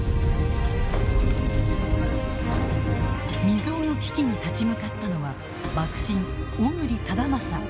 未曽有の危機に立ち向かったのは幕臣小栗忠順。